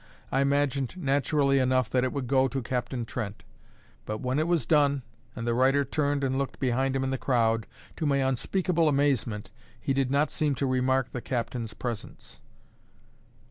I imagined naturally enough that it would go to Captain Trent; but when it was done, and the writer turned and looked behind him in the crowd, to my unspeakable amazement, he did not seem to remark the captain's presence.